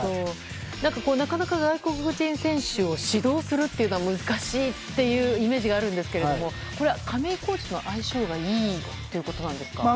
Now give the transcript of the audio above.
なかなか外国人選手を指導するというのは難しいイメージがあるんですけどこれは亀井コーチと相性がいいということですか。